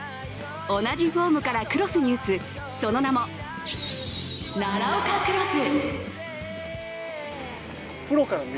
同じフォームからクロスに打つその名も奈良岡クロス。